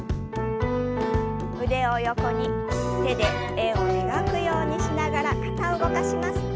腕を横に手で円を描くようにしながら肩を動かします。